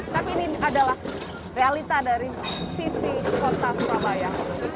tapi ini adalah realita dari sisi kota surabaya